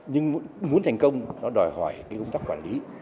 nhưng muốn thành công nó đòi hỏi cái công tác quản lý